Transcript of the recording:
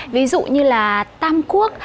ví dụ như là tam quốc